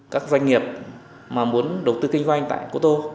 các doanh nghiệp mà muốn đầu tư kinh doanh tại cô tô